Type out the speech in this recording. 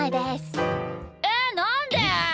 えなんで！？